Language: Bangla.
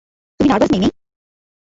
তুমি নার্ভাস, মেই-মেই?